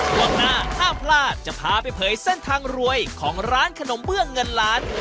ช่วงหน้าห้ามพลาดจะพาไปเผยเส้นทางรวยของร้านขนมเบื้องเงินล้าน